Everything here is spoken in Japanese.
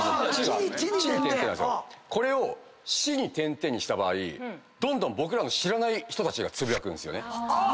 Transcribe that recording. これをシに点々にした場合どんどん僕らの知らない人たちがつぶやくんですよね。